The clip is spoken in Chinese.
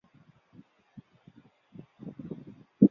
以女性的独特生命经验书法抒写了时代女性的精神和思考。